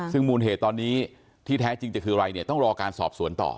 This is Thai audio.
ซึ่งมูลเหตุตอนนี้ที่แท้จริงจะคืออะไรเนี่ยต้องรอการสอบสวนต่อ